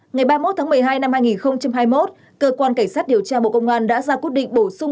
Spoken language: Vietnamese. ngày ba mươi một tháng một mươi hai năm hai nghìn hai mươi một cơ quan cảnh sát điều tra bộ công an đã ra quyết định bổ sung